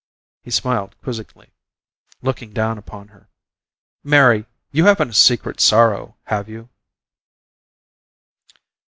He smiled quizzically, looking down upon her. "Mary, you haven't a 'secret sorrow,' have you?"